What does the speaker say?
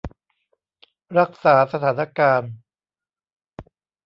รักษาสถานการณ์